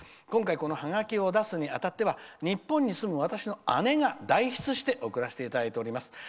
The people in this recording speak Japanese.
今回、このハガキを出すに当たっては日本に住む私の姉が代筆して送らせていただいております。